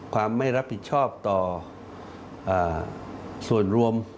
ความไม่รับผิดชอบต่อส่วนรวม